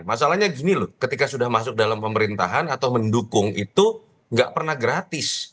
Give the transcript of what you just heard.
masalahnya gini loh ketika sudah masuk dalam pemerintahan atau mendukung itu nggak pernah gratis